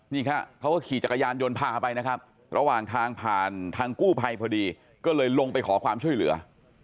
นี่ครับเขาก็ขี่จักรยานยนต์พาไปนะครับระหว่างทางผ่านทางกู้ภัยพอดีก็เลยลงไปขอความช่วยเหลือ